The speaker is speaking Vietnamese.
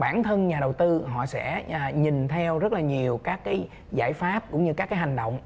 bản thân nhà đầu tư họ sẽ nhìn theo rất là nhiều các cái giải pháp cũng như các cái hành động